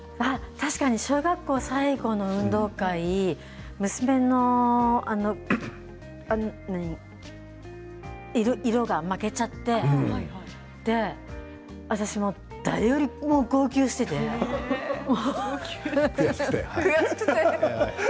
確かに小学校最後の運動会娘の色が負けちゃって私は誰よりも号泣していて悔しくて。